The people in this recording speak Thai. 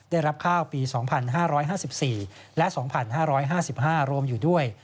ได้รับข้าวปี๒๕๕๔และ๒๕๕๕รวมอยู่ด้วย